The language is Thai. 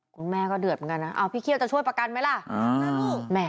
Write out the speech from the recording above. คุณแม่ก็เดือดเหมือนกันนะเอาพี่เคี่ยวจะช่วยประกันไหมล่ะ